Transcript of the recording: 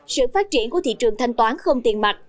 sự phát triển của thị trường thanh toán không tiền mặt